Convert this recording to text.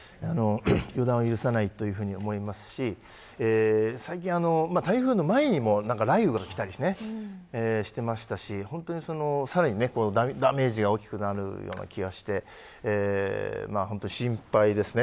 予断を許さないと思いますし最近、台風の前にも雷雨が来たりしてましたしダメージが大きくなるような気がして心配ですね。